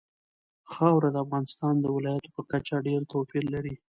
خاوره د افغانستان د ولایاتو په کچه ډېر توپیر لري.